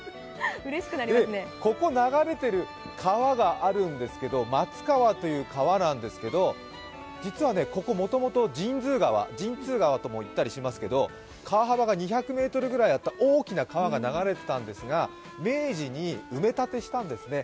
ここ眺めている川があるんですけれども、松川という川なんですけれどもここ実はもともと神通川、川幅が２００ｍくらいある大きな川が流れていたんですが明治に埋め立てしたんですね。